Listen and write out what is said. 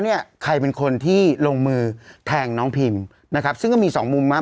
เนี่ยใครเป็นคนที่ลงมือแทงน้องพิมนะครับซึ่งก็มีสองมุมมา